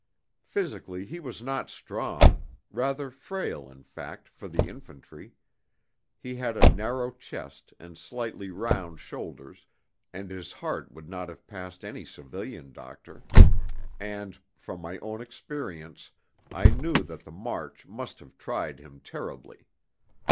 Physically he was not strong, rather frail, in fact, for the infantry; he had a narrow chest and slightly round shoulders, and his heart would not have passed any civilian doctor; and from my own experience I knew that the march must have tried him terribly.